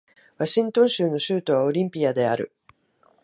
ワシントン州の州都はオリンピアである